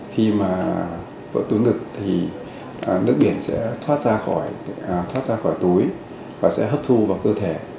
khi mà vỡ túi ngực thì nước biển sẽ thoát ra khỏi túi và sẽ hấp thu vào cơ thể